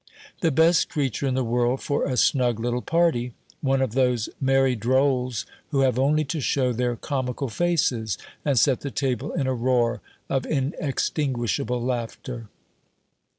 The best creature in the world for a snug little party! one of those merry drolls who have only to shew their comical faces, and set the table in a roar of inextinguishable laughter.